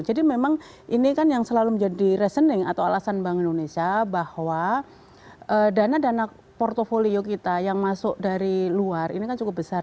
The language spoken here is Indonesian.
jadi memang ini kan yang selalu menjadi reasoning atau alasan bank indonesia bahwa dana dana portfolio kita yang masuk dari luar ini kan cukup besar